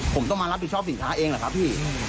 ผมต้องมารับผิดชอบสินค้าเองเหรอครับพี่